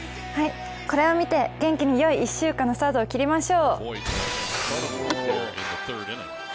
これを見て元気に良い１週間のスタートを切りましょう。